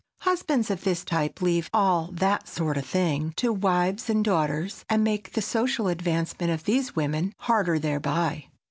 Husbands of his type leave "all that sort of thing" to wives and daughters, and make the social advancement of these women harder thereby.